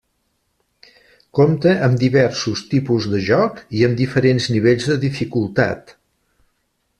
Compta amb diversos tipus de joc i amb diferents nivells de dificultat.